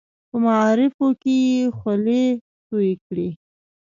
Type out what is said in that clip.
په معارفو کې یې خولې تویې کړې.